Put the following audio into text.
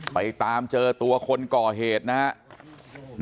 ไปตามเจอตัวคนก่อเหตุนะครับ